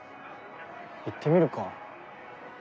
行ってみるか。